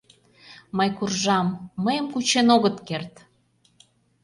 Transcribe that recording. Мый куржам, мыйым кучен огыт керт!..